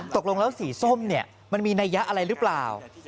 ตกลงแล้วสีส้มเนี่ยมันมีนัยยะอะไรหรือเปล่า